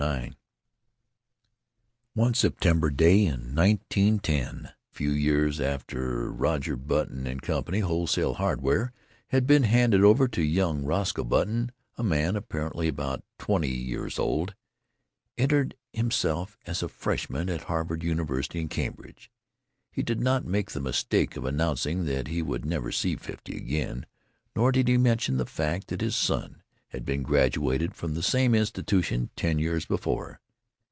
IX One September day in 1910 a few years after Roger Button & Co., Wholesale Hardware, had been handed over to young Roscoe Button a man, apparently about twenty years old, entered himself as a freshman at Harvard University in Cambridge. He did not make the mistake of announcing that he would never see fifty again, nor did he mention the fact that his son had been graduated from the same institution ten years before.